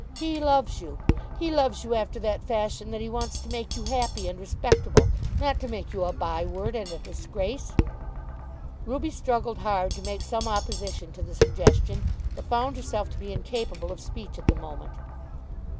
He loves you. He loves you after that fashion that he wants to make you happy and respectable, not to make you a bye word and a disgrace." Ruby struggled hard to make some opposition to the suggestion, but found herself to be incapable of speech at the moment.